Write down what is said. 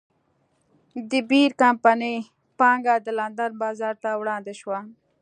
د بیر کمپنۍ پانګه د لندن بازار ته وړاندې شوه.